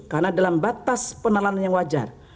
karena dalam batas penelanan yang wajar